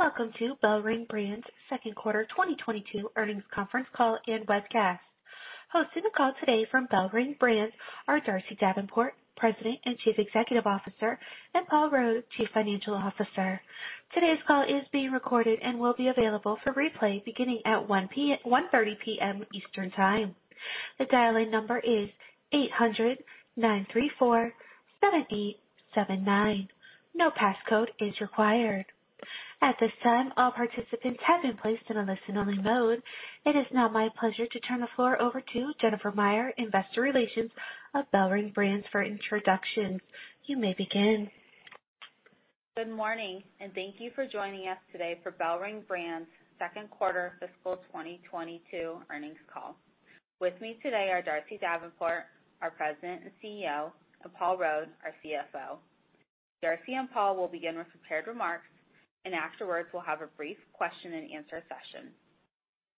Welcome to BellRing Brands Second Quarter 2022 Earnings Conference Call and Webcast. Hosting the call today from BellRing Brands are Darcy Davenport, President and Chief Executive Officer, and Paul Rode, Chief Financial Officer. Today's call is being recorded and will be available for replay beginning at 1:30 P.M. Eastern Time. The dial-in number is 800-934-7879. No passcode is required. At this time, all participants have been placed in a listen-only mode. It is now my pleasure to turn the floor over to Jennifer Meyer, Investor Relations of BellRing Brands for introductions. You may begin. Good morning, and thank you for joining us today for BellRing Brands second quarter fiscal 2022 earnings call. With me today are Darcy Davenport, our President and CEO, and Paul Rode, our CFO. Darcy and Paul will begin with prepared remarks, and afterwards we'll have a brief question and answer session.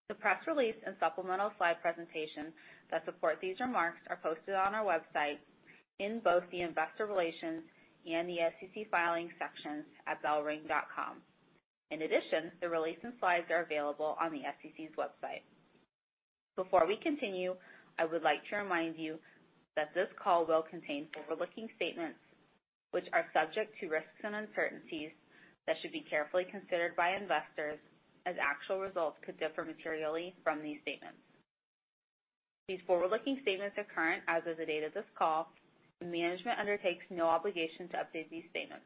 The press release and supplemental slide presentation that support these remarks are posted on our website in both the investor relations and the SEC filings sections at bellring.com. In addition, the release and slides are available on the SEC's website. Before we continue, I would like to remind you that this call will contain forward-looking statements which are subject to risks and uncertainties that should be carefully considered by investors, as actual results could differ materially from these statements. These forward-looking statements are current as of the date of this call, and management undertakes no obligation to update these statements.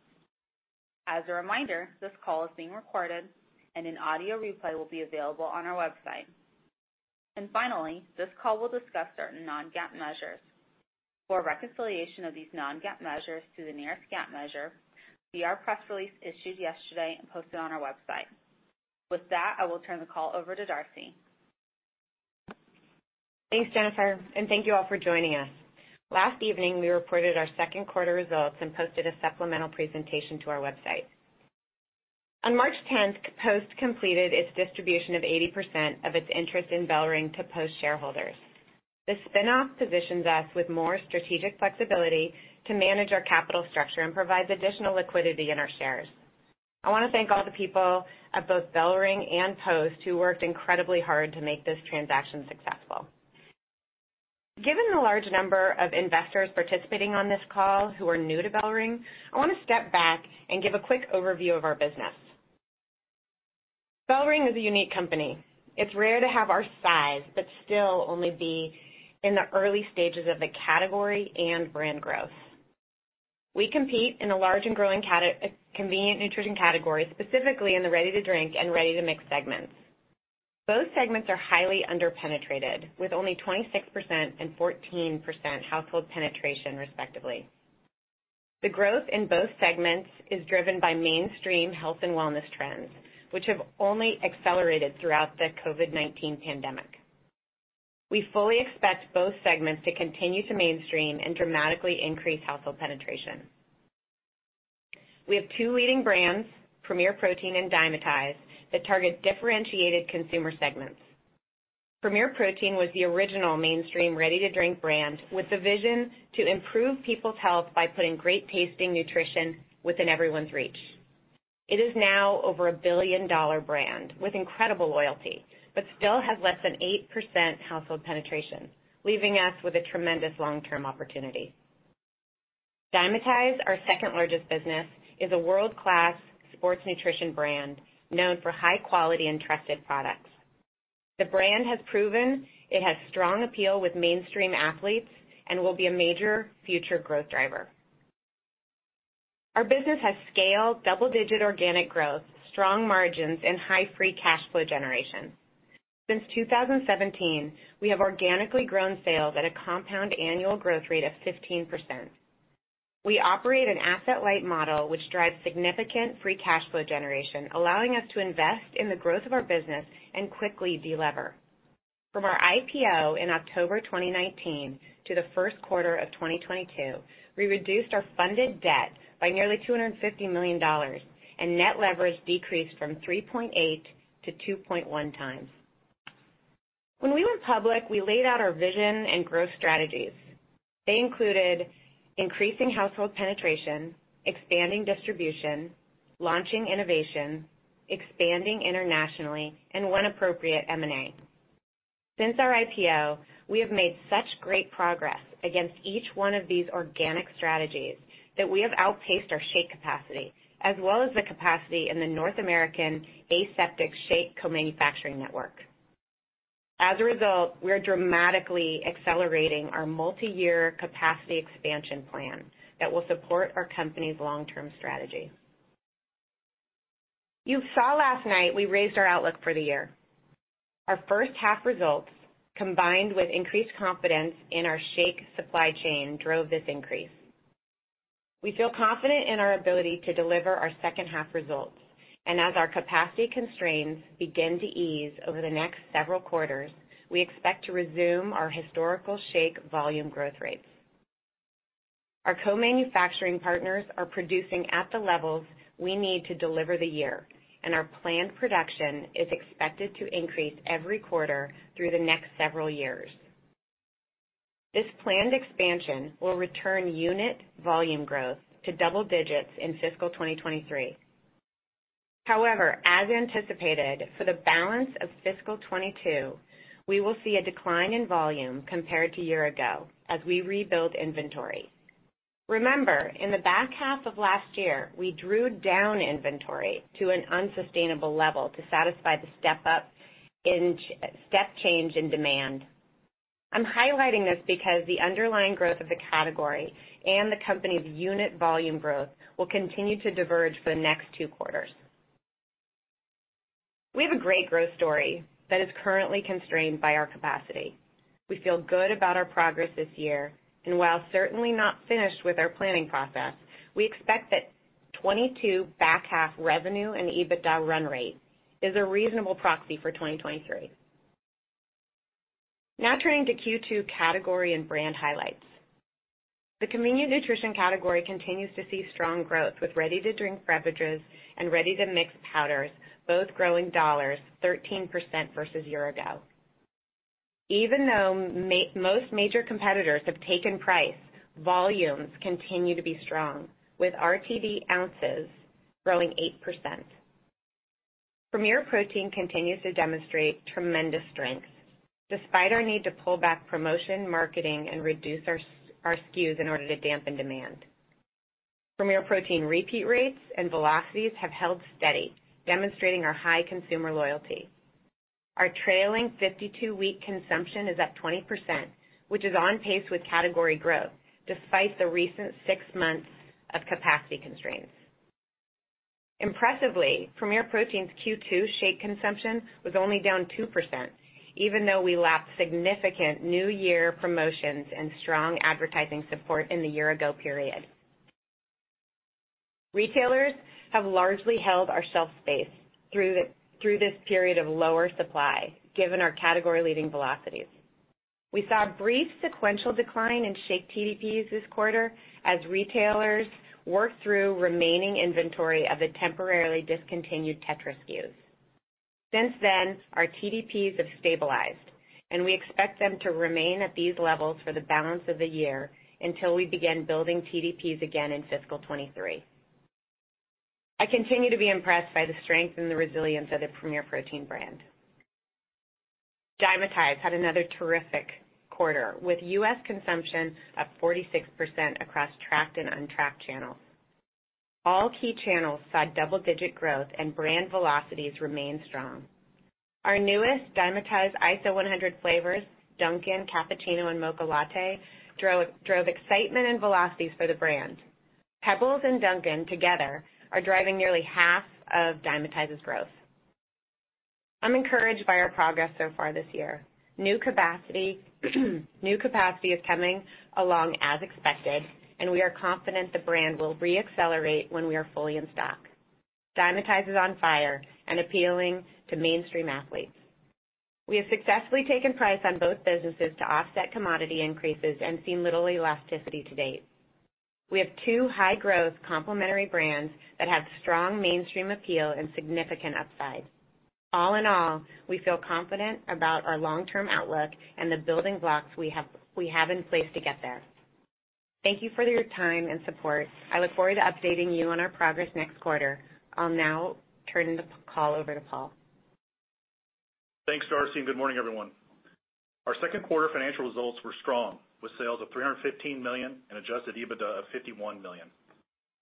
As a reminder, this call is being recorded and an audio replay will be available on our website. Finally, this call will discuss certain non-GAAP measures. For a reconciliation of these non-GAAP measures to the nearest GAAP measure, see our press release issued yesterday and posted on our website. With that, I will turn the call over to Darcy. Thanks, Jennifer, and thank you all for joining us. Last evening, we reported our second quarter results and posted a supplemental presentation to our website. On March 10th, Post completed its distribution of 80% of its interest in BellRing to Post shareholders. This spinoff positions us with more strategic flexibility to manage our capital structure and provides additional liquidity in our shares. I wanna thank all the people at both BellRing and Post who worked incredibly hard to make this transaction successful. Given the large number of investors participating on this call who are new to BellRing, I wanna step back and give a quick overview of our business. BellRing is a unique company. It's rare to have our size, but still only be in the early stages of the category and brand growth. We compete in a large and growing convenient nutrition category, specifically in the ready-to-drink and ready-to-mix segments. Both segments are highly under-penetrated, with only 26% and 14% household penetration respectively. The growth in both segments is driven by mainstream health and wellness trends, which have only accelerated throughout the COVID-19 pandemic. We fully expect both segments to continue to mainstream and dramatically increase household penetration. We have two leading brands, Premier Protein and Dymatize, that target differentiated consumer segments. Premier Protein was the original mainstream ready-to-drink brand with the vision to improve people's health by putting great-tasting nutrition within everyone's reach. It is now over a $1 billion brand with incredible loyalty, but still has less than 8% household penetration, leaving us with a tremendous long-term opportunity. Dymatize, our second largest business, is a world-class sports nutrition brand known for high quality and trusted products. The brand has proven it has strong appeal with mainstream athletes and will be a major future growth driver. Our business has scaled double-digit organic growth, strong margins, and high free cash flow generation. Since 2017, we have organically grown sales at a compound annual growth rate of 15%. We operate an asset-light model which drives significant free cash flow generation, allowing us to invest in the growth of our business and quickly delever. From our IPO in October 2019 to the first quarter of 2022, we reduced our funded debt by nearly $250 million, and net leverage decreased from 3.8x - 2.1x. When we went public, we laid out our vision and growth strategies. They included increasing household penetration, expanding distribution, launching innovation, expanding internationally, and when appropriate, M&A. Since our IPO, we have made such great progress against each one of these organic strategies that we have outpaced our shake capacity as well as the capacity in the North American aseptic shake co-manufacturing network. As a result, we are dramatically accelerating our multi-year capacity expansion plan that will support our company's long-term strategy. You saw last night we raised our outlook for the year. Our first half results, combined with increased confidence in our shake supply chain, drove this increase. We feel confident in our ability to deliver our second half results and as our capacity constraints begin to ease over the next several quarters, we expect to resume our historical shake volume growth rates. Our co-manufacturing partners are producing at the levels we need to deliver the year, and our planned production is expected to increase every quarter through the next several years. This planned expansion will return unit volume growth to double digits in fiscal 2023. However, as anticipated, for the balance of fiscal 2022, we will see a decline in volume compared to year-ago as we rebuild inventory. Remember, in the back half of last year, we drew down inventory to an unsustainable level to satisfy the step change in demand. I'm highlighting this because the underlying growth of the category and the company's unit volume growth will continue to diverge for the next two quarters. We have a great growth story that is currently constrained by our capacity. We feel good about our progress this year, and while certainly not finished with our planning process, we expect that 2022 back half revenue and EBITDA run rate is a reasonable proxy for 2023. Now turning to Q2 category and brand highlights. The convenient nutrition category continues to see strong growth, with ready-to-drink beverages and ready-to-mix powders both growing dollars 13% versus year ago. Even though most major competitors have taken price, volumes continue to be strong, with RTD ounces growing 8%. Premier Protein continues to demonstrate tremendous strength, despite our need to pull back promotion, marketing, and reduce our SKUs in order to dampen demand. Premier Protein repeat rates and velocities have held steady, demonstrating our high consumer loyalty. Our trailing 52-week consumption is up 20%, which is on pace with category growth despite the recent six months of capacity constraints. Impressively, Premier Protein's Q2 shake consumption was only down 2%, even though we lacked significant new year promotions and strong advertising support in the year ago period. Retailers have largely held our shelf space through this period of lower supply, given our category-leading velocities. We saw a brief sequential decline in shake TDPs this quarter as retailers worked through remaining inventory of the temporarily discontinued Tetra SKUs. Since then, our TDPs have stabilized, and we expect them to remain at these levels for the balance of the year until we begin building TDPs again in fiscal 2023. I continue to be impressed by the strength and the resilience of the Premier Protein brand. Dymatize had another terrific quarter, with U.S. consumption up 46% across tracked and untracked channels. All key channels saw double-digit growth and brand velocities remain strong. Our newest Dymatize ISO 100 flavors, Dunkin' Cappuccino and Mocha Latte, drove excitement and velocities for the brand. Pebbles and Dunkin' together are driving nearly half of Dymatize's growth. I'm encouraged by our progress so far this year. New capacity is coming along as expected, and we are confident the brand will re-accelerate when we are fully in stock. Dymatize is on fire and appealing to mainstream athletes. We have successfully taken price on both businesses to offset commodity increases and seen little elasticity to date. We have two high-growth complementary brands that have strong mainstream appeal and significant upside. All in all, we feel confident about our long-term outlook and the building blocks we have in place to get there. Thank you for your time and support. I look forward to updating you on our progress next quarter. I'll now turn the call over to Paul. Thanks, Darcy, and good morning, everyone. Our second quarter financial results were strong, with sales of $315 million and adjusted EBITDA of $51 million.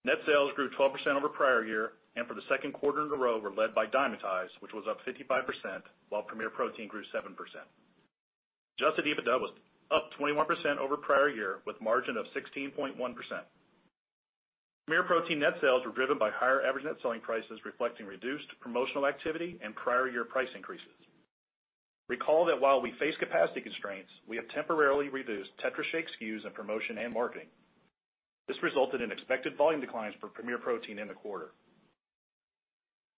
Net sales grew 12% over prior year, and for the second quarter in a row were led by Dymatize, which was up 55%, while Premier Protein grew 7%. Adjusted EBITDA was up 21% over prior year, with margin of 16.1%. Premier Protein net sales were driven by higher average net selling prices, reflecting reduced promotional activity and prior year price increases. Recall that while we face capacity constraints, we have temporarily reduced Tetra Shake SKUs and promotion and marketing. This resulted in expected volume declines for Premier Protein in the quarter.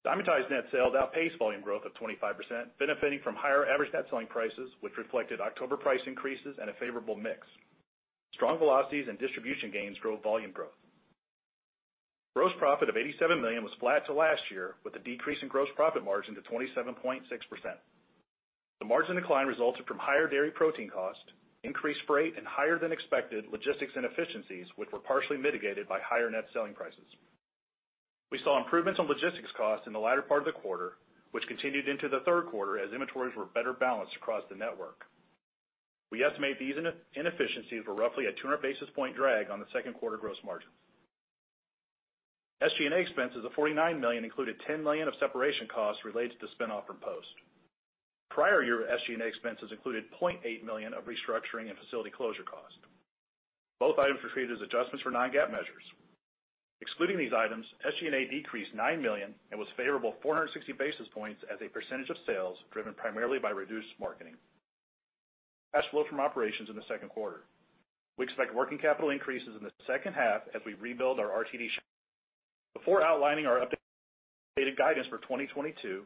Dymatize net sales outpaced volume growth of 25%, benefiting from higher average net selling prices, which reflected October price increases and a favorable mix. Strong velocities and distribution gains drove volume growth. Gross profit of $87 million was flat to last year, with a decrease in gross profit margin to 27.6%. The margin decline resulted from higher dairy protein cost, increased freight, and higher than expected logistics inefficiencies, which were partially mitigated by higher net selling prices. We saw improvements on logistics costs in the latter part of the quarter, which continued into the third quarter as inventories were better balanced across the network. We estimate these inefficiencies were roughly a 200 basis point drag on the second quarter gross margin. SG&A expenses of $49 million included $10 million of separation costs related to spin-off from Post. Prior year SG&A expenses included $0.8 million of restructuring and facility closure costs. Both items were treated as adjustments for non-GAAP measures. Excluding these items, SG&A decreased $9 million and was favorable 460 basis points as a percentage of sales driven primarily by reduced marketing. Cash flow from operations in the second quarter. We expect working capital increases in the second half as we rebuild our RTD. Before outlining our updated guidance for 2022,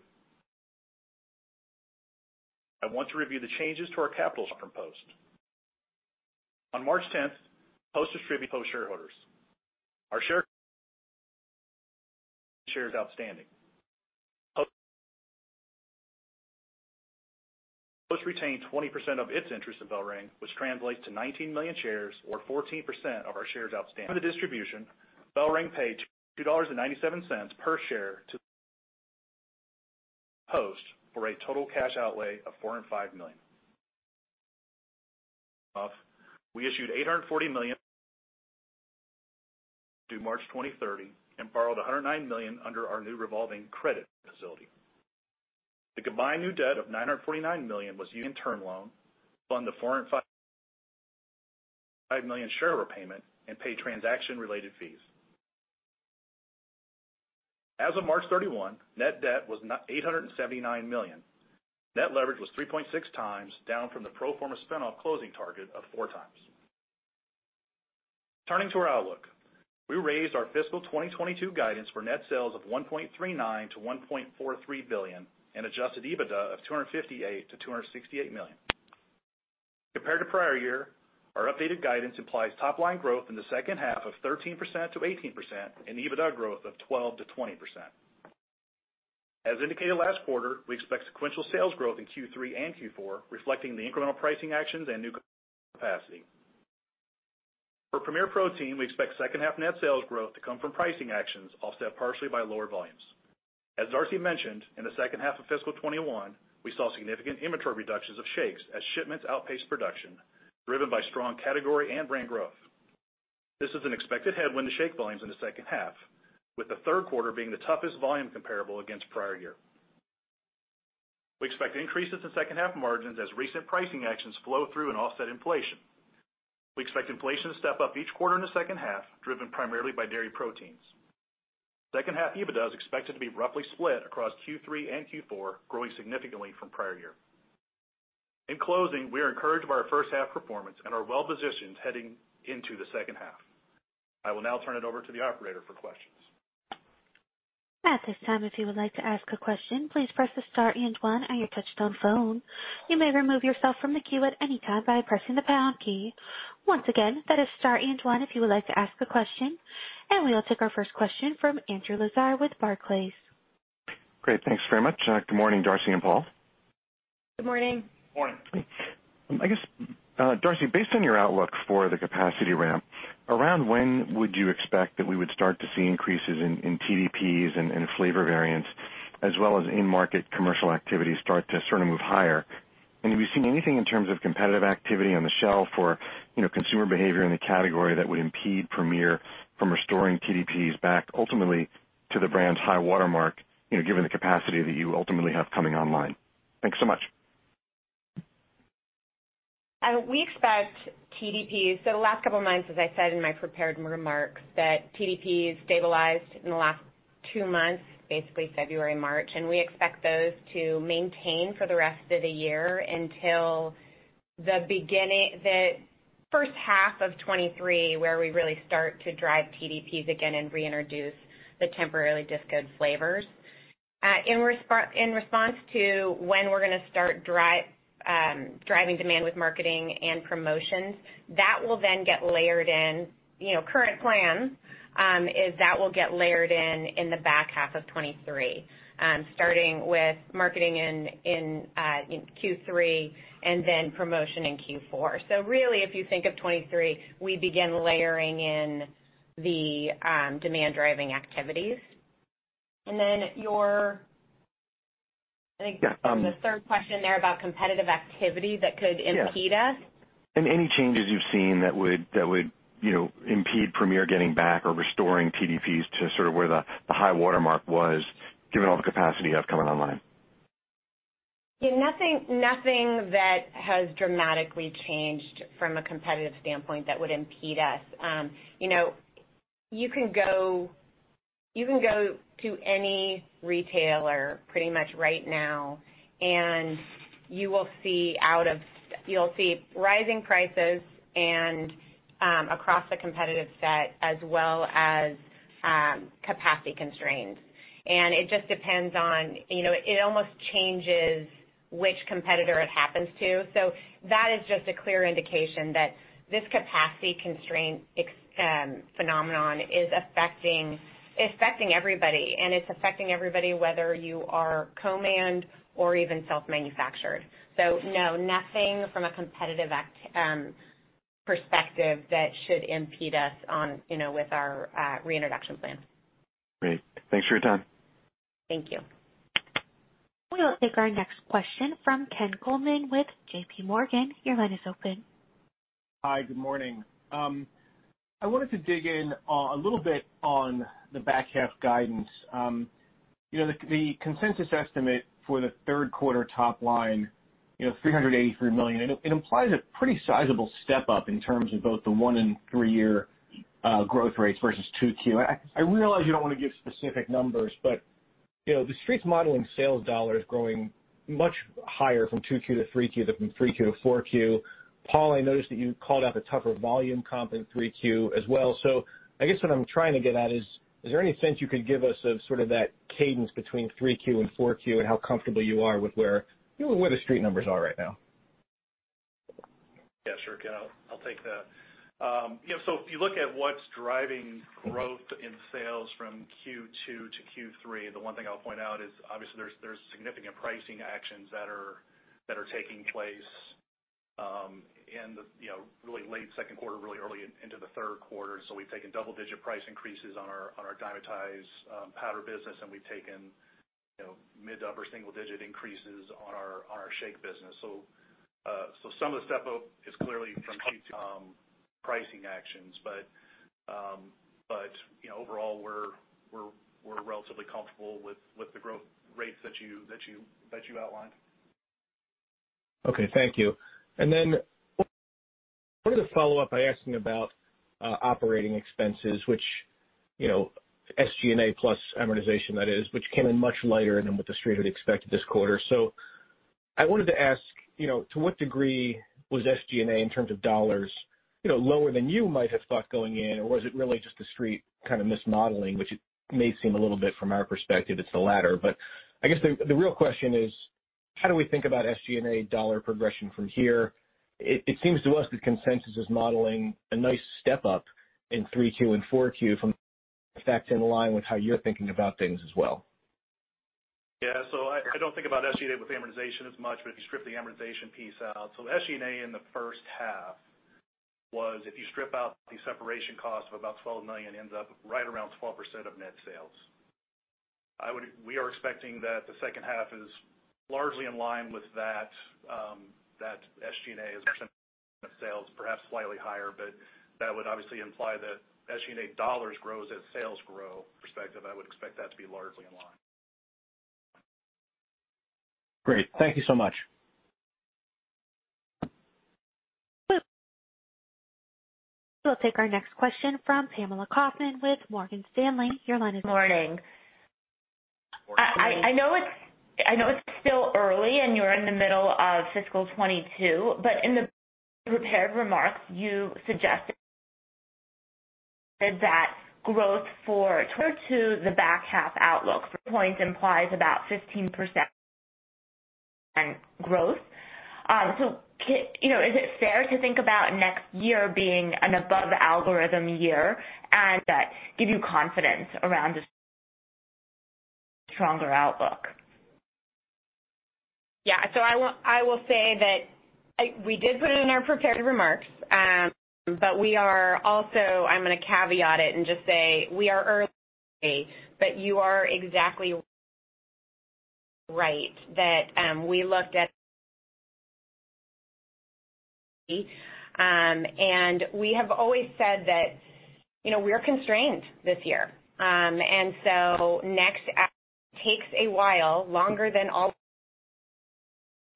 I want to review the changes to our capital from Post. On March 10th, Post distributed to Post shareholders our shares outstanding. Post retained 20% of its interest in BellRing, which translates to 19 million shares or 14% of our shares outstanding. For the distribution, BellRing paid $2.97 per share to Post for a total cash outlay of $405 million. We issued $840 million due March 2030 and borrowed $109 million under our new revolving credit facility. The combined new debt of $949 million was used in term loan to fund the $450 million share repayment and pay transaction-related fees. As of March 31, net debt was $879 million. Net leverage was 3.6x down from the pro forma spin-off closing target of 4x. Turning to our outlook, we raised our fiscal 2022 guidance for net sales of $1.39-$1.43 billion and adjusted EBITDA of $258-$268 million. Compared to prior year, our updated guidance implies top line growth in the second half of 13%-18% and EBITDA growth of 12%-20%. We expect sequential sales growth in Q3 and Q4, reflecting the incremental pricing actions and new capacity. For Premier Protein, we expect second half net sales growth to come from pricing actions offset partially by lower volumes. As Darcy mentioned, in the second half of fiscal 2021, we saw significant inventory reductions of shakes as shipments outpaced production driven by strong category and brand growth. This is an expected headwind to shake volumes in the second half, with the third quarter being the toughest volume comparable against prior year. We expect increases in second half margins as recent pricing actions flow through and offset inflation. We expect inflation to step up each quarter in the second half, driven primarily by dairy proteins. Second half EBITDA is expected to be roughly split across Q3 and Q4, growing significantly from prior year. In closing, we are encouraged by our first half performance and are well-positioned heading into the second half. I will now turn it over to the operator for questions. At this time, if you would like to ask a question, please press star and one on your touchtone phone. You may remove yourself from the queue at any time by pressing the pound key. Once again, that is star and one if you would like to ask a question. We will take our first question from Andrew Lazar with Barclays. Great. Thanks very much. Good morning, Darcy and Paul. Good morning. Morning. I guess, Darcy, based on your outlook for the capacity ramp, around when would you expect that we would start to see increases in TDPs and flavor variants as well as in-market commercial activity start to sort of move higher? Have you seen anything in terms of competitive activity on the shelf or, you know, consumer behavior in the category that would impede Premier from restoring TDPs back ultimately to the brand's high watermark, you know, given the capacity that you ultimately have coming online? Thanks so much. We expect TDPs. The last couple of months, as I said in my prepared remarks, TDPs stabilized in the last two months, basically February, March, and we expect those to maintain for the rest of the year until the first half of 2023, where we really start to drive TDPs again and reintroduce the temporarily discouraged flavors. In response to when we're gonna start driving demand with marketing and promotions, that will then get layered in. You know, current plan is that will get layered in in the back half of 2023, starting with marketing in Q3 and then promotion in Q4. Really, if you think of 2023, we begin layering in the demand driving activities. Then your, I think. Yeah. The third question there about competitive activity that could. Yes. impede us. Any changes you've seen that would, you know, impede Premier getting back or restoring TDPs to sort of where the high watermark was given all the capacity you have coming online? Yeah, nothing that has dramatically changed from a competitive standpoint that would impede us. You know, you can go to any retailer pretty much right now and you will see rising prices across the competitive set as well as capacity constraints. It just depends on, you know, it almost changes which competitor it happens to. That is just a clear indication that this capacity constraint phenomenon is affecting everybody whether you are co-mans or even self-manufactured. No, nothing from a competitive perspective that should impede us on, you know, with our reintroduction plans. Great. Thanks for your time. Thank you. We'll take our next question from Ken Goldman with JPMorgan. Your line is open. Hi, good morning. I wanted to dig in a little bit on the back half guidance. You know, the consensus estimate for the third quarter top line, you know, $383 million, it implies a pretty sizable step-up in terms of both the one and three year growth rates versus 2Q. I realize you don't want to give specific numbers, but, you know, the Street's modeling sales dollars growing much higher from 2Q to 3Q than from 3Q to 4Q. Paul, I noticed that you called out the tougher volume comp in 3Q as well. I guess what I'm trying to get at is there any sense you could give us of sort of that cadence between 3Q and 4Q and how comfortable you are with where, you know, the Street numbers are right now? If you look at what's driving growth in sales from Q2 to Q3, the one thing I'll point out is obviously there's significant pricing actions that are taking place, you know, really late second quarter, really early into the third quarter. We've taken double-digit price increases on our Dymatize powder business, and we've taken, you know, mid to upper single digit increases on our shake business. Some of the step up is clearly from pricing actions. You know, overall, we're relatively comfortable with the growth rates that you outlined. Okay, thank you. Then wanted to follow up by asking about operating expenses, which, you know, SG&A plus amortization that is, which came in much lighter than what the Street had expected this quarter. I wanted to ask, you know, to what degree was SG&A in terms of dollars, you know, lower than you might have thought going in, or was it really just the Street kind of mismodeling, which it may seem a little bit from our perspective it's the latter. I guess the real question is how do we think about SG&A dollar progression from here? It seems to us that consensus is modeling a nice step-up in 3Q and 4Q. That's in line with how you're thinking about things as well. Yeah. I don't think about SG&A with amortization as much, but if you strip the amortization piece out. SG&A in the first half was, if you strip out the separation cost of about $12 million, ends up right around 12% of net sales. We are expecting that the second half is largely in line with that SG&A as a percent of sales, perhaps slightly higher, but that would obviously imply that SG&A dollars grows as sales grow prospectively. I would expect that to be largely in line. Great. Thank you so much. We'll take our next question from Pamela Kaufman with Morgan Stanley. Your line is- Morning. I know it's still early and you're in the middle of fiscal 2022, but in the prepared remarks, you suggested that growth for 2022, the back half outlook for points implies about 15% growth. You know, is it fair to think about next year being an above algorithm year and that give you confidence around a stronger outlook? Yeah. I will say that we did put it in our prepared remarks. I'm gonna caveat it and just say we are early, but you are exactly right that we looked at, and we have always said that, you know, we're constrained this year. Next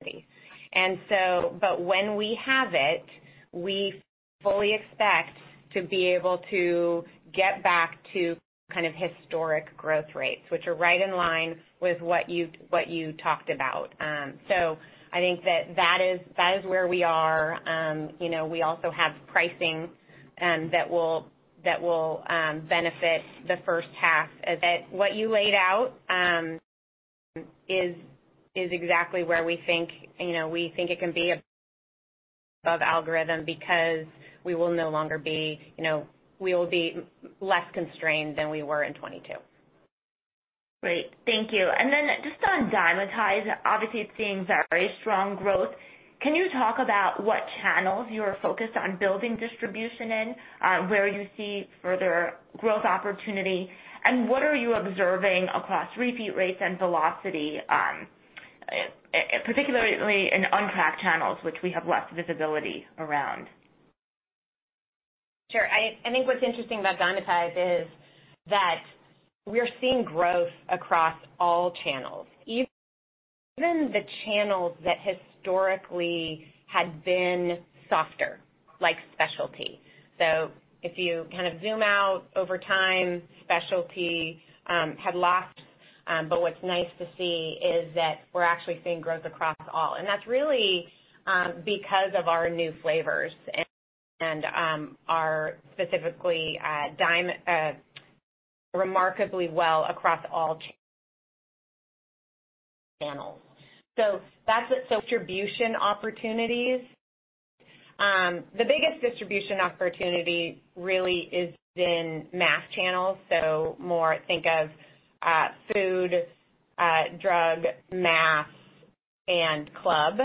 takes a while longer than all. When we have it, we fully expect to be able to get back to kind of historic growth rates, which are right in line with what you talked about. I think that is where we are. You know, we also have pricing that will benefit the first half. That's what you laid out is exactly where we think, you know, we think it can be above algorithm because we will no longer be, you know, we will be less constrained than we were in 2022. Great. Thank you. Just on Dymatize, obviously it's seeing very strong growth. Can you talk about what channels you are focused on building distribution in, where you see further growth opportunity, and what are you observing across repeat rates and velocity, particularly in untracked channels which we have less visibility around? Sure. I think what's interesting about Dymatize is that we're seeing growth across all channels, even the channels that historically had been softer, like specialty. If you kind of zoom out over time, specialty had lost, but what's nice to see is that we're actually seeing growth across all. That's really because of our new flavors and Dymatize remarkably well across all channels. That's it. Distribution opportunities. The biggest distribution opportunity really is in mass channels. Think of food, drug, mass, and club,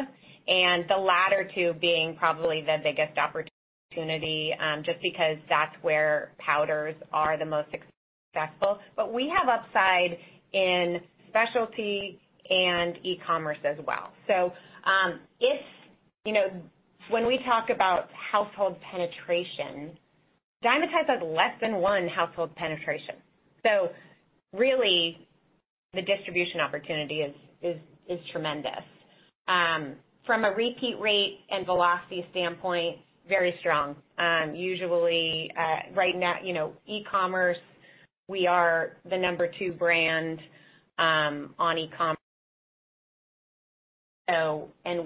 and the latter two being probably the biggest opportunity just because that's where powders are the most successful. We have upside in specialty and e-commerce as well. You know, when we talk about household penetration, Dymatize has less than 1% household penetration. Really the distribution opportunity is tremendous. From a repeat rate and velocity standpoint, very strong. Usually, right now, you know, e-commerce, we are the number two brand on e-commerce.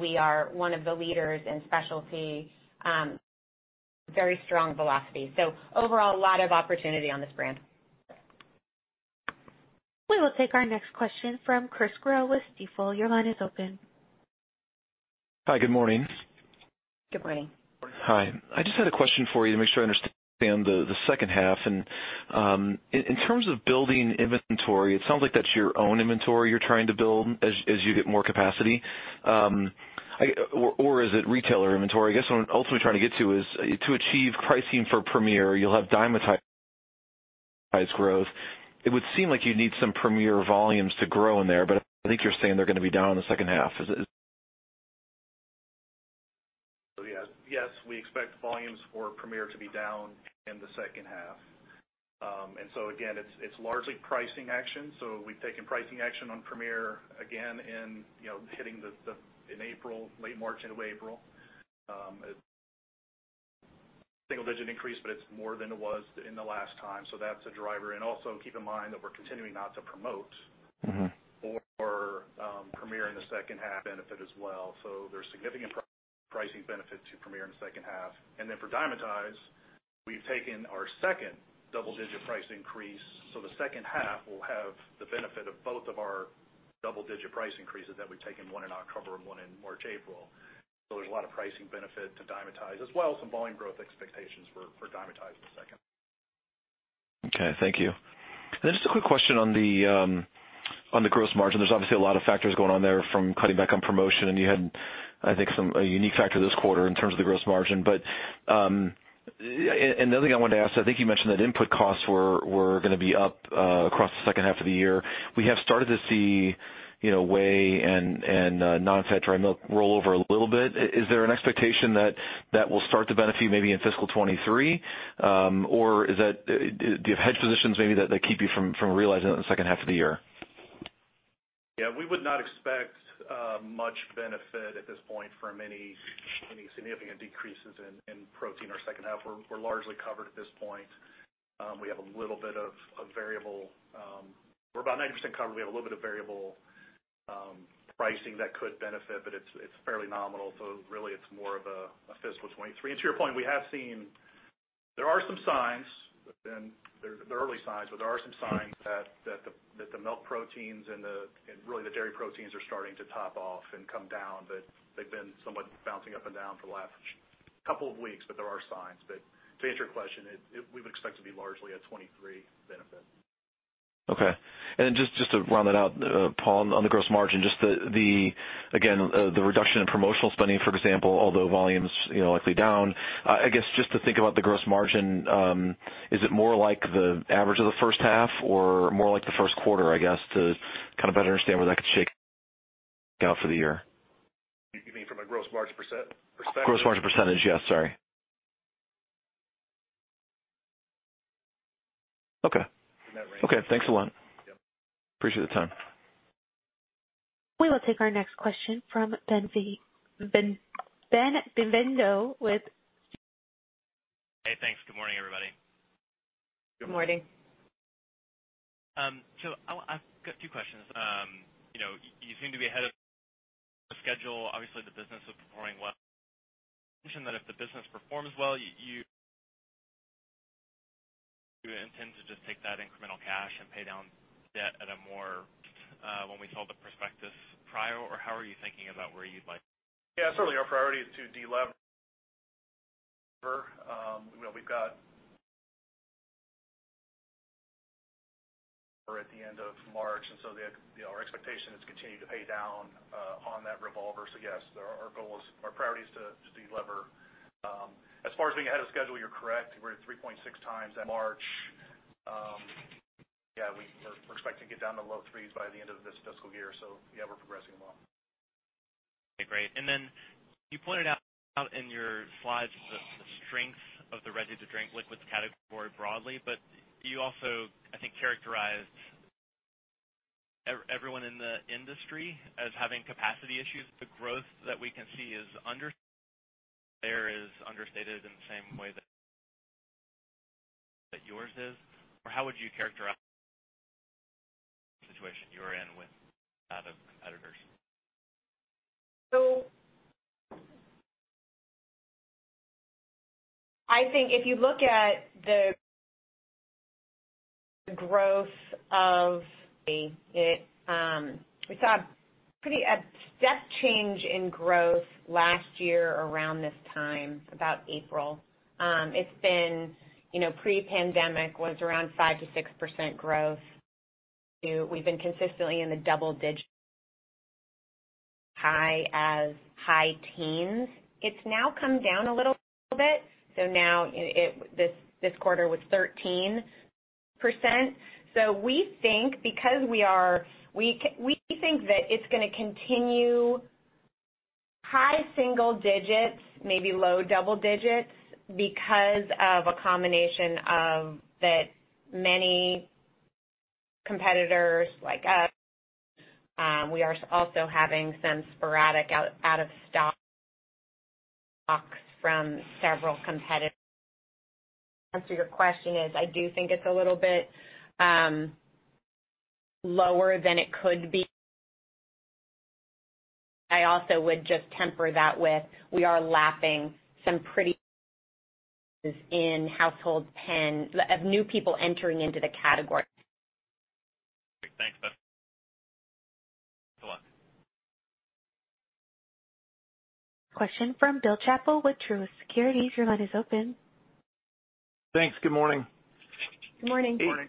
We are one of the leaders in specialty, very strong velocity. Overall, a lot of opportunity on this brand. We will take our next question from Chris Growe with Stifel. Your line is open. Hi, good morning. Good morning. Hi. I just had a question for you to make sure I understand the second half. In terms of building inventory, it sounds like that's your own inventory you're trying to build as you get more capacity. Or is it retailer inventory? I guess what I'm ultimately trying to get to is to achieve pricing for Premier, you'll have Dymatize growth. It would seem like you need some Premier volumes to grow in there, but I think you're saying they're gonna be down in the second half. Is it? Yes, we expect volumes for Premier to be down in the second half. It's largely pricing action. We've taken pricing action on Premier again in, you know, in April, late March, end of April, a single-digit increase, but it's more than it was in the last time. That's a driver. Also keep in mind that we're continuing not to promote. Mm-hmm. for Premier in the second half benefit as well. There's significant pricing benefit to Premier in the second half. For Dymatize, we've taken our second double digit price increase. The second half will have the benefit of both of our double digit price increases that we've taken, one in October and one in March, April. There's a lot of pricing benefit to Dymatize as well, some volume growth expectations for Dymatize in the second. Okay, thank you. Then just a quick question on the gross margin. There's obviously a lot of factors going on there from cutting back on promotion. You had, I think, a unique factor this quarter in terms of the gross margin. Another thing I wanted to ask, I think you mentioned that input costs were gonna be up across the second half of the year. We have started to see, you know, whey and non-fat dry milk roll over a little bit. Is there an expectation that that will start to benefit maybe in fiscal 2023, or is that. Do you have hedge positions maybe that keep you from realizing it in the second half of the year? Yeah, we would not expect much benefit at this point from any significant decreases in protein or second half. We're largely covered at this point. We're about 90% covered. We have a little bit of variable pricing that could benefit, but it's fairly nominal, so really it's more of a fiscal 2023. To your point, we have seen there are some signs, and they're early signs, but there are some signs that the milk proteins and really the dairy proteins are starting to top off and come down. They've been somewhat bouncing up and down for the last couple of weeks. There are signs. To answer your question, we would expect to be largely a 2023 benefit. Okay. Just to round that out, Paul, on the gross margin, just the again, the reduction in promotional spending, for example, although volume's, you know, likely down, I guess just to think about the gross margin, is it more like the average of the first half or more like the first quarter, I guess, to kind of better understand where that could shake out for the year? You mean from a gross margin % perspective? Gross margin percentage, yes. Sorry. Okay. In that range. Okay, thanks a lot. Yep. Appreciate the time. We will take our next question from Ben Bienvenu with Hey, thanks. Good morning, everybody. Good morning. I've got two questions. You know, you seem to be ahead of schedule. Obviously, the business was performing well. Mentioned that if the business performs well, you intend to just take that incremental cash and pay down debt at a more, when we saw the prospectus prior, or how are you thinking about where you'd like- Yeah, certainly our priority is to delever. We've got at the end of March. Our expectation is to continue to pay down on that revolver. Yes, our priority is to delever. As far as being ahead of schedule, you're correct. We're at 3.6 times that March. We're expecting to get down to low threes by the end of this fiscal year. Yeah, we're progressing well. Okay, great. You pointed out out in your slides the strength of the ready to drink liquids category broadly, but you also, I think, characterized everyone in the industry as having capacity issues. The growth that we can see is understated in the same way that yours is, or how would you characterize the situation you are in with that of competitors? I think if you look at the growth of it, we saw a step change in growth last year around this time, about April. It's been, you know, pre-pandemic was around 5-6% growth. We've been consistently in the double digits, high teens. It's now come down a little bit, so now this quarter was 13%. We think that it's gonna continue high single digits, maybe low double digits because of a combination of that many competitors like us. We are also having some sporadic out of stock from several competitors. Answer to your question is I do think it's a little bit lower than it could be. I also would just temper that with we are lapping some pretty in households and influx of new people entering into the category. Thanks, Ben Bienvenu. Thanks a lot. Question from Bill Chappell with Truist Securities. Your line is open. Thanks. Good morning. Good morning. Good morning.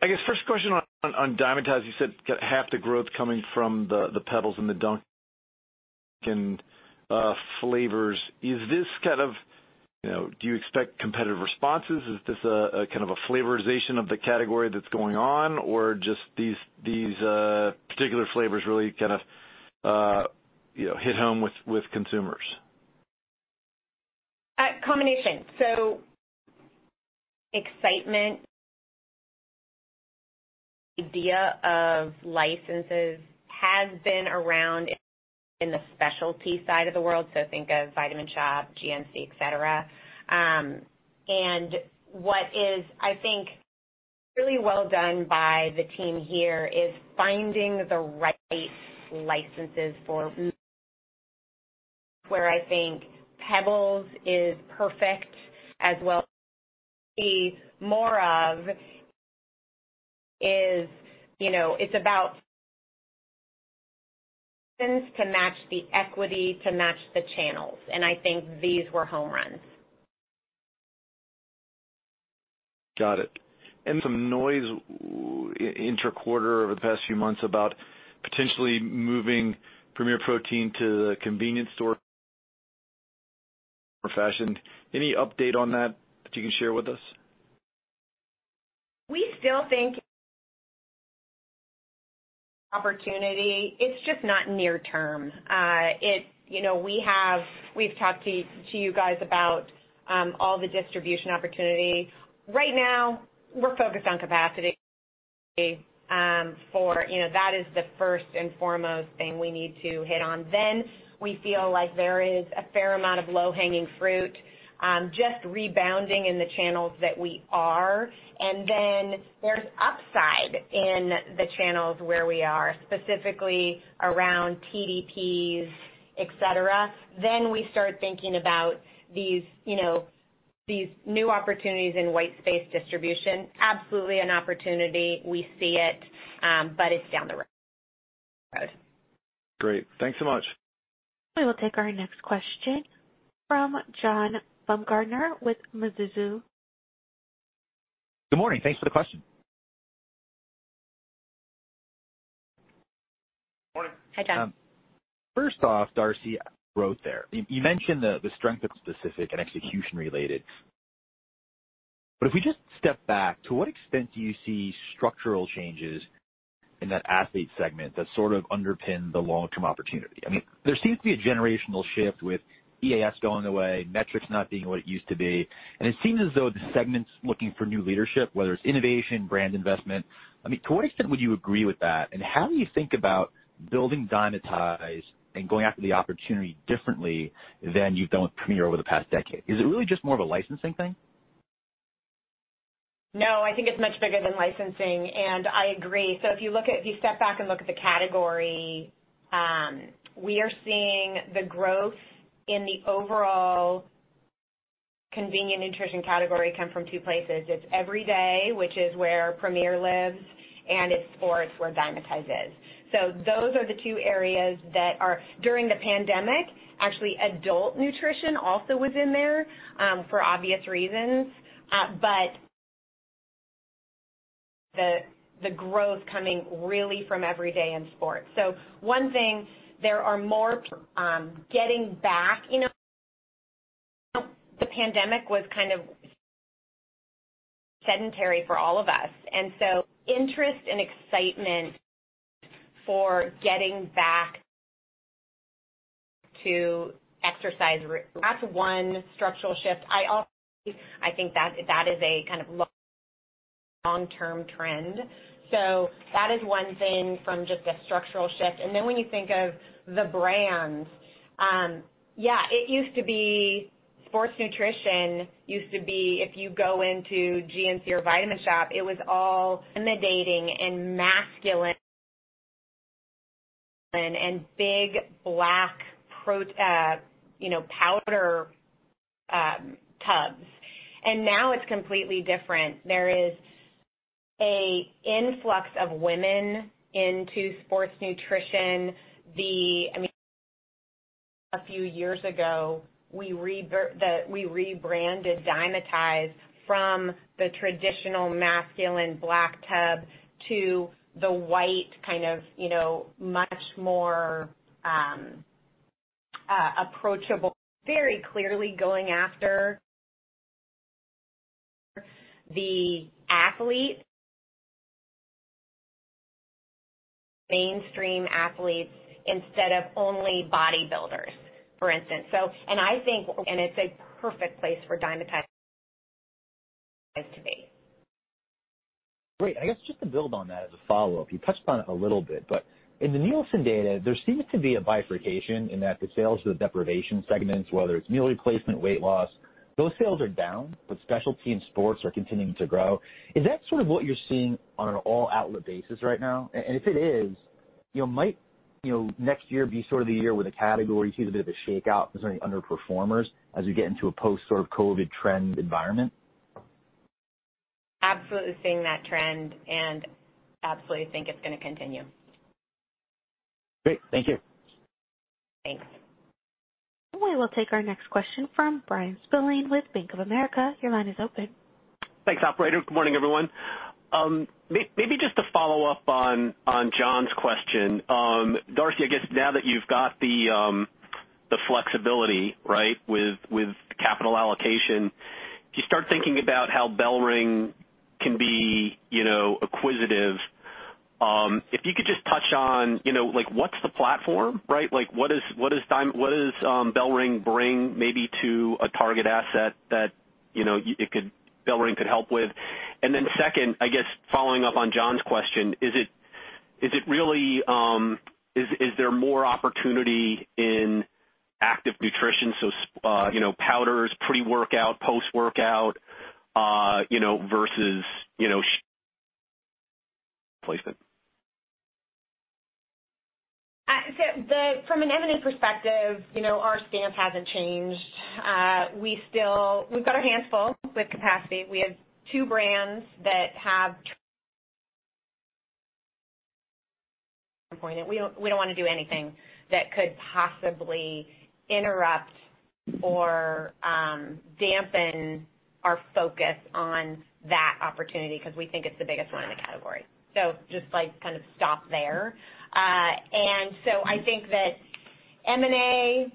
I guess first question on Dymatize, you said half the growth coming from the PEBBLES and the Dunkin' flavors. Do you expect competitive responses? Is this a kind of a flavorization of the category that's going on? Or just these particular flavors really kind of you know hit home with consumers? A combination. Exciting idea of licenses has been around in the specialty side of the world, so think of Vitamin Shoppe, GNC, et cetera. What is, I think, really well done by the team here is finding the right licenses for where I think Pebbles is perfect as well be more of is, you know, it's about to match the equity to the channels. I think these were home runs. Got it. Some noise in the quarter over the past few months about potentially moving Premier Protein to the convenience store channel. Any update on that that you can share with us? We still think opportunity. It's just not near term. You know, we have talked to you guys about all the distribution opportunity. Right now, we're focused on capacity for, you know, that is the first and foremost thing we need to hit on. We feel like there is a fair amount of low-hanging fruit just rebounding in the channels that we are. There's upside in the channels where we are, specifically around TDPs, et cetera. We start thinking about these, you know, these new opportunities in white space distribution. Absolutely an opportunity. We see it, but it's down the road. Great. Thanks so much. We will take our next question from John Baumgartner with Mizuho. Good morning. Thanks for the question. Morning. Hi, John. First off, Darcy, growth there. You mentioned the strength of specific and execution-related. If we just step back, to what extent do you see structural changes in that athlete segment that sort of underpin the long-term opportunity? I mean, there seems to be a generational shift with EAS going away, Met-Rx not being what it used to be, and it seems as though the segment's looking for new leadership, whether it's innovation, brand investment. I mean, to what extent would you agree with that? How do you think about building Dymatize and going after the opportunity differently than you've done with Premier over the past decade? Is it really just more of a licensing thing? No, I think it's much bigger than licensing, and I agree. If you step back and look at the category, we are seeing the growth in the overall convenient nutrition category come from two places. It's every day, which is where Premier lives, and it's sports, where Dymatize is. Those are the two areas that are. During the pandemic, actually adult nutrition also was in there, for obvious reasons. The growth coming really from every day in sports. One thing, there are more getting back, you know, the pandemic was kind of sedentary for all of us. Interest and excitement for getting back to exercise, that's one structural shift. I think that is a kind of long-term trend. That is one thing from just a structural shift. When you think of the brands, yeah, it used to be sports nutrition if you go into GNC or Vitamin Shoppe, it was all intimidating and masculine and big black powder tubs. Now it's completely different. There is a influx of women into sports nutrition. I mean, a few years ago, we rebranded Dymatize from the traditional masculine black tub to the white kind of, you know, much more approachable, very clearly going after the athlete, mainstream athletes instead of only bodybuilders, for instance. I think and it's a perfect place for Dymatize to be. Great. I guess just to build on that as a follow-up, you touched on it a little bit, but in the Nielsen data, there seems to be a bifurcation in that the sales of the protein segments, whether it's meal replacement, weight loss Those sales are down, but specialty and sports are continuing to grow. Is that sort of what you're seeing on an all-outlet basis right now? If it is, you know, might, you know, next year be sort of the year where the category sees a bit of a shakeout as any underperformers as we get into a post sort of COVID trend environment? Absolutely seeing that trend and absolutely think it's gonna continue. Great. Thank you. Thanks. We will take our next question from Bryan Spillane with Bank of America. Your line is open. Thanks, operator. Good morning, everyone. Maybe just to follow up on John's question. Darcy, I guess now that you've got the flexibility, right, with capital allocation, if you start thinking about how BellRing can be, you know, acquisitive, if you could just touch on, you know, like, what's the platform, right? Like, what does BellRing bring maybe to a target asset that, you know, BellRing could help with? And then second, I guess following up on John's question, is it really, is there more opportunity in active nutrition, so you know, powders, pre-workout, post-workout, you know, versus, you know, replacement? From an M&A perspective, you know, our stance hasn't changed. We've got our hands full with capacity. We have two brands that have point, and we don't wanna do anything that could possibly interrupt or dampen our focus on that opportunity because we think it's the biggest one in the category. Just, like, kind of stop there. I think that M&A,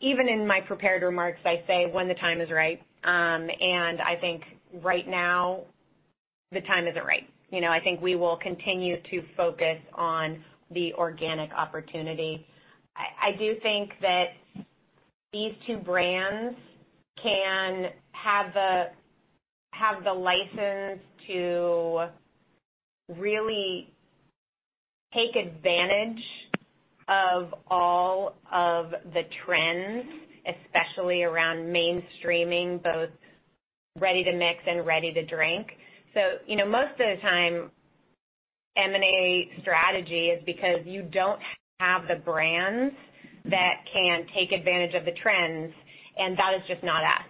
even in my prepared remarks, I say when the time is right. I think right now the time isn't right. You know, I think we will continue to focus on the organic opportunity. I do think that these two brands can have the license to really take advantage of all of the trends, especially around mainstreaming, both ready to mix and ready to drink. You know, most of the time, M&A strategy is because you don't have the brands that can take advantage of the trends, and that is just not us.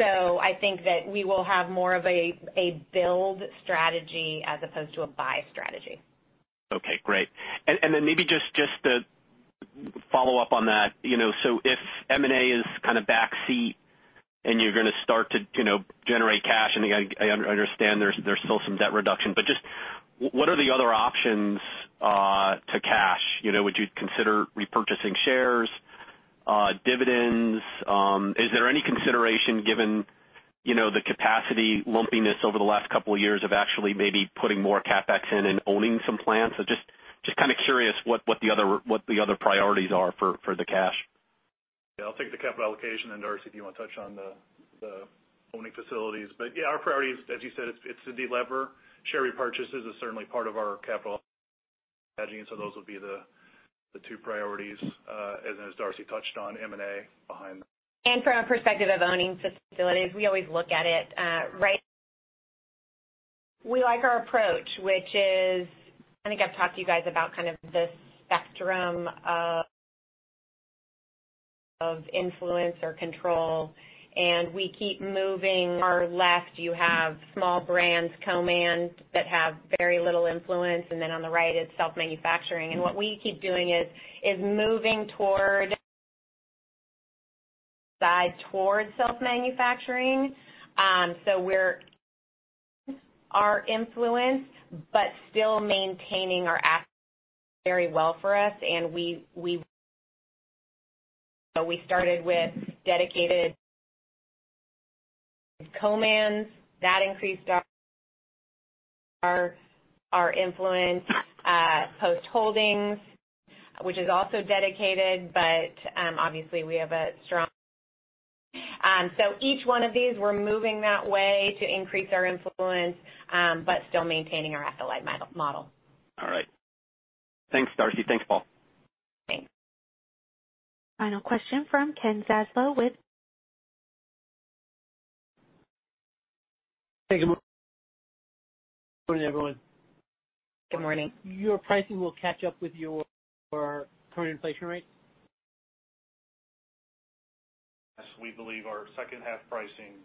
I think that we will have more of a build strategy as opposed to a buy strategy. Okay, great. Then maybe just to follow up on that. You know, so if M&A is kind of backseat and you're gonna start to, you know, generate cash and I understand there's still some debt reduction, but just what are the other options to cash? You know, would you consider repurchasing shares, dividends? Is there any consideration given, you know, the capacity lumpiness over the last couple of years of actually maybe putting more CapEx in and owning some plants? Just kind of curious what the other priorities are for the cash. Yeah, I'll take the capital allocation and, Darcy, if you wanna touch on the owning facilities. Yeah, our priorities, as you said, it's to delever. Share repurchases is certainly part of our capital hedging, so those will be the two priorities, and as Darcy touched on M&A behind. From a perspective of owning facilities, we always look at it. We like our approach, which is, I think I've talked to you guys about the spectrum of influence or control, and we keep moving. On our left, you have small brands, co-mans that have very little influence, and then on the right it's self-manufacturing. What we keep doing is moving toward self-manufacturing. We started with dedicated co-mans. That increased our influence, Post Holdings, which is also dedicated. Each one of these we're moving that way to increase our influence, but still maintaining our affiliate model. All right. Thanks, Darcy. Thanks, Paul. Thanks. Final question from Ken Zaslow with- Hey, good morning, everyone. Good morning. Your pricing will catch up with your current inflation rate? Yes, we believe our second half pricing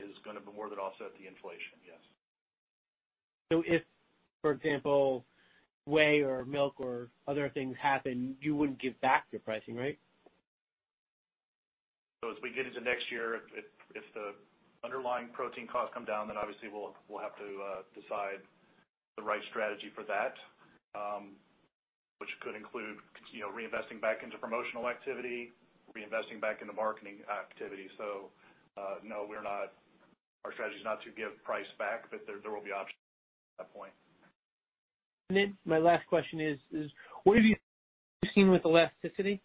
is gonna more than offset the inflation, yes. If, for example, whey or milk or other things happen, you wouldn't give back your pricing, right? As we get into next year, if the underlying protein costs come down, then obviously we'll have to decide the right strategy for that, which could include, you know, reinvesting back into promotional activity, reinvesting back into marketing activity. No, we're not. Our strategy is not to give price back, but there will be options at that point. My last question is what have you seen with elasticity?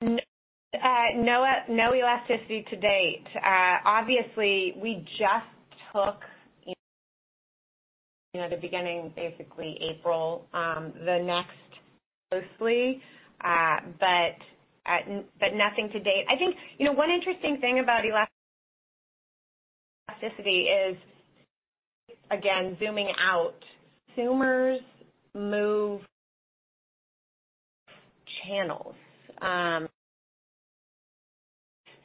No elasticity to date. Obviously we just took, you know, the beginning, basically April, the next mostly, but nothing to date. I think, you know, one interesting thing about elasticity is again, zooming out, consumers move channels.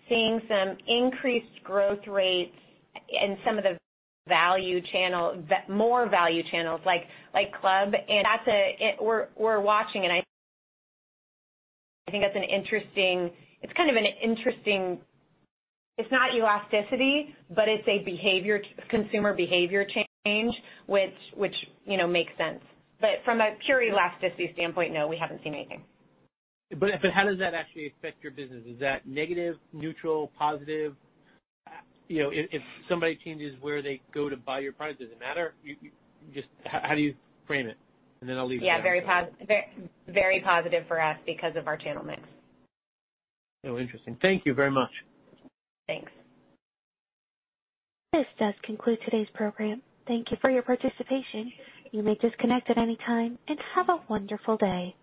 Seeing some increased growth rates in some of the value channel, more value channels like club. We're watching and I think that's an interesting. It's kind of an interesting. It's not elasticity, but it's a behavior, consumer behavior change which, you know, makes sense. From a pure elasticity standpoint, no, we haven't seen anything. How does that actually affect your business? Is that negative, neutral, positive? You know, if somebody changes where they go to buy your product, does it matter? How do you frame it? Then I'll leave it. Yeah, very positive for us because of our channel mix. Oh, interesting. Thank you very much. Thanks. This does conclude today's program. Thank you for your participation. You may disconnect at any time, and have a wonderful day.